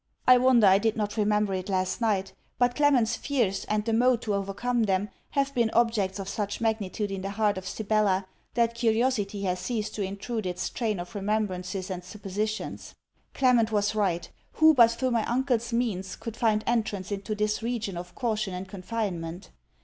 I wonder I did not remember it last night: but Clement's fears, and the mode to overcome them, have been objects of such magnitude in the heart of Sibella that curiosity has ceased to intrude its train of remembrances and suppositions. Clement was right. Who, but through my uncle's means, could find entrance into this region of caution and confinement?